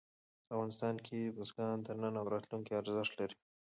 افغانستان کې بزګان د نن او راتلونکي ارزښت لري.